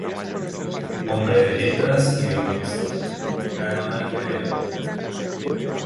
Hombre de letras y de poesía, gran amante de la literatura.